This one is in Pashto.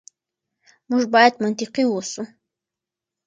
موږ بايد منطقي اوسو.